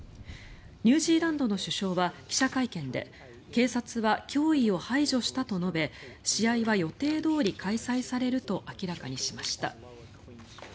ニュージーランドの首相は記者会見で警察は脅威を排除したと述べ試合は予定どおり開催されると明らかにしました。